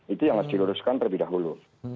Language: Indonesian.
itu yang harus di luruskan terlebih dahulu